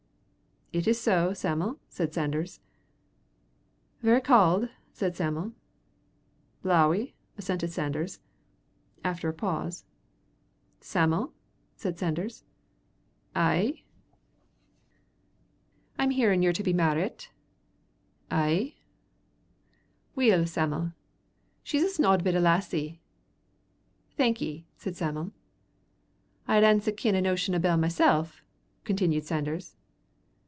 "It is so, Sam'l," said Sanders. "Very cauld," said Sam'l. "Blawy," assented Sanders. After a pause "Sam'l," said Sanders. "Ay." "I'm hearin' yer to be mairit." "Ay." "Weel, Sam'l, she's a snod bit lassie." "Thank ye," said Sam'l. "I had ance a kin' o' notion o' Bell mysel," continued Sanders.